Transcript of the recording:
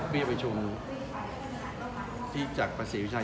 พี่ประชุมหน้าคลื่นเท่าไหร่